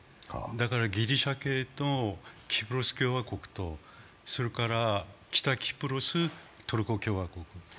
だからギリシャ系とキプロス共和国と、北キプロス、トルコ共和国と。